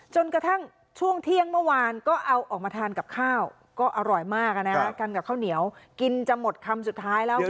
จนกระทั่งช่วงเที่ยงเมื่อวานก็เอาออกมาทานกับข้าวก็อร่อยมากกันกับข้าวเหนียวกินจะหมดคำสุดท้ายแล้ว